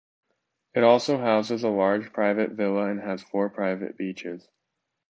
It also houses a large private villa and has four private beaches.